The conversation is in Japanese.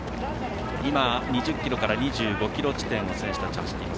２０ｋｍから２５ｋｍ地点を選手たちは走っています。